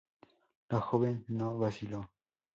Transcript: La joven no vaciló.